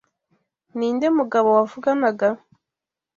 Ninde mugabo wavuganaga?